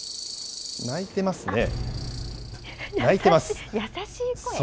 鳴いてますね。